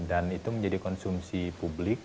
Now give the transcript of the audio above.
dan itu menjadi konsumsi publik